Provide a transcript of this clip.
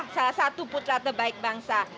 salah satu putra terbaik bangsa